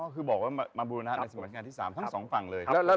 อ๋อคือบอกว่ามาบุรณะในสมัยรักกันที่๓ทั้งสองฝั่งเลยครับ